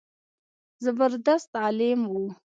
زبردست عالم و.